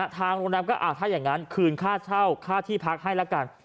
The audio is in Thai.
ทางโรงแรมก็ถ้าอย่างนั้นคืนค่าเช่าค่าที่พักให้ละกัน